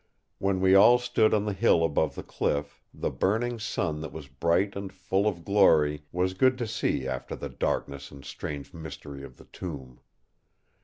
"When we all stood on the hill above the cliff, the burning sun that was bright and full of glory was good to see after the darkness and strange mystery of the tomb.